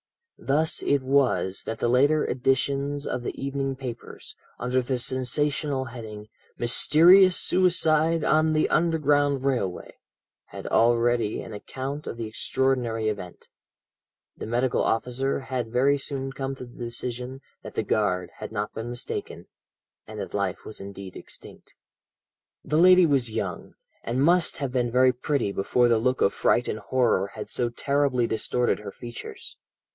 "Thus it was that the later editions of the evening papers, under the sensational heading, 'Mysterious Suicide on the Underground Railway,' had already an account of the extraordinary event. The medical officer had very soon come to the decision that the guard had not been mistaken, and that life was indeed extinct. "The lady was young, and must have been very pretty before the look of fright and horror had so terribly distorted her features.